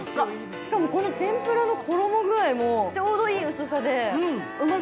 しかも、この天ぷらの衣具合もちょうどいい。